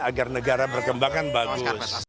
agar negara berkembang bagus